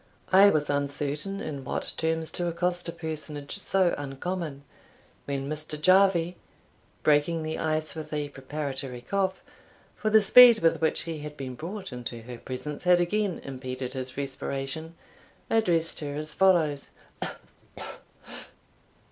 I was uncertain in what terms to accost a personage so uncommon, when Mr. Jarvie, breaking the ice with a preparatory cough (for the speed with which he had been brought into her presence had again impeded his respiration), addressed her as follows: "Uh!